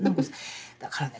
だからね